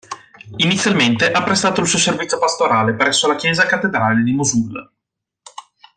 Inizialmente ha prestato il suo servizio pastorale presso la chiesa cattedrale di Mosul.